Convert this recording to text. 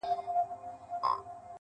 ستا بې لیدلو چي له ښاره وځم.